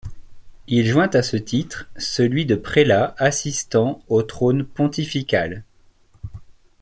Il joint à ce titre celui de prélat assistant au trône pontifical.